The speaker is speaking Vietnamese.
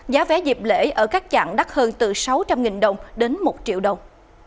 giá vé dịp lễ ở các chặng đắt hơn từ sáu trăm linh đồng đến một triệu đồng